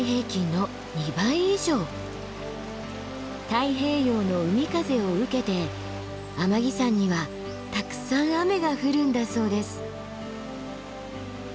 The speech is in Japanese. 太平洋の海風を受けて天城山にはたくさん雨が降るんだそうです。